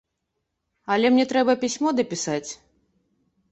Але мне трэба пісьмо дапісаць.